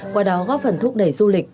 qua đó góp phần thúc đẩy du lịch